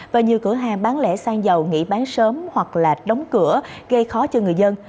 và nhiều cửa hàng bán lẻ xăng dầu nghỉ bán sớm hoặc là đóng cửa gây khó cho người dân